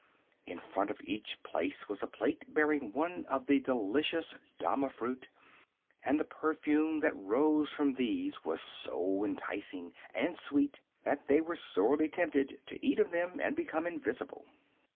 In front of each place was a plate bearing one of the delicious dama fruit, and the perfume that rose from these was so enticing and sweet that they were sorely tempted to eat of them and become invisible.